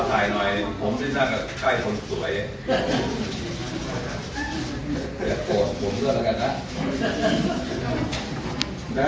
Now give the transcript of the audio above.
อ๋อแล้วครับท่านแสดงที่ส่วนเนี้ยขึ้นอยู่กับกรรมธิการจะตกลงกัน